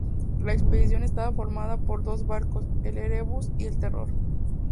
La expedición estaba formada por dos barcos, el "Erebus" y el "Terror".